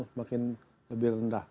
semakin lebih rendah